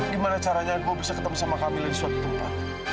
gimana caranya gue bisa ketemu sama kami dari suatu tempat